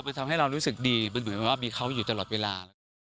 ทำให้เรารู้สึกดีมันเหมือนแบบว่ามีเขาอยู่ตลอดเวลา